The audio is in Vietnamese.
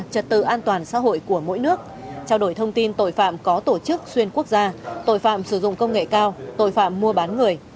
trật tự an toàn xã hội của mỗi nước trao đổi thông tin tội phạm có tổ chức xuyên quốc gia tội phạm sử dụng công nghệ cao tội phạm mua bán người